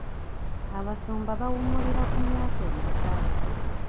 Abasumba bawummulira ku myaka emeka?